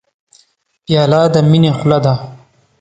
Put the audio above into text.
پیاله د مینې خوله ده.